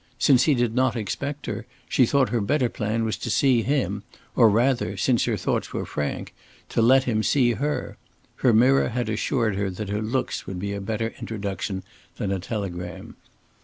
Since he did not expect her, she thought her better plan was to see him, or rather, since her thoughts were frank, to let him see her. Her mirror had assured her that her looks would be a better introduction than a telegram.